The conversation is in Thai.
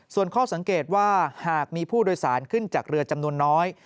ส่วนข้อสังเกตว่าหากมีผู้โดยสารขึ้นจากเรือจำนวนน้อย